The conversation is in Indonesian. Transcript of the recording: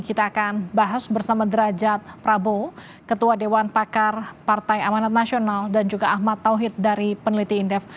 kita akan bahas bersama derajat prabowo ketua dewan pakar partai amanat nasional dan juga ahmad tauhid dari peneliti indef